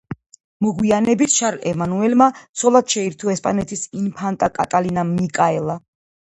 მოგვიანებით შარლ ემანუელმა ცოლად შეირთო ესპანეთის ინფანტა კატალინა მიკაელა.